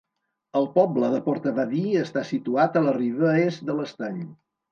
El poble de Portavadie està situat a la riba est de l'estany.